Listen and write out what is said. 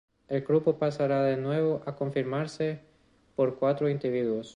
El grupo pasara de nuevo a conformarse por cuatro individuos.